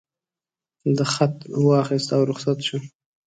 ده خط واخیست او رخصت شو.